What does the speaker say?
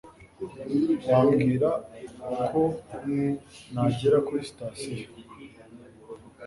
wambwira uko nagera kuri sitasiyo